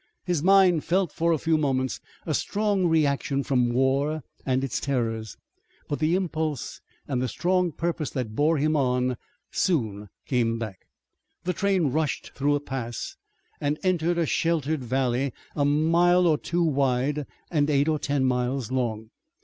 His mind felt for a few moments a strong reaction from war and its terrors, but the impulse and the strong purpose that bore him on soon came back. The train rushed through a pass and entered a sheltered valley a mile or two wide and eight or ten miles long.